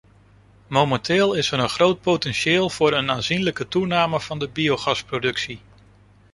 Momenteel is er een groot potentieel voor een aanzienlijke toename van de biogasproductie.